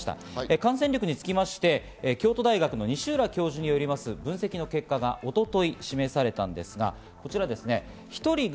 感染力につきまして京都大学の西浦教授による分析の結果が一昨日示されたんですが、こちら１人が